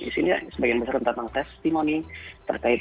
di sini sebagian besar tentang testimoni terkait